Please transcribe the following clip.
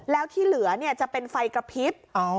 แล้วที่เหลือจะเป็นไฟกระพริบ